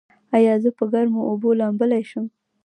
ایا زه په ګرمو اوبو لامبلی شم؟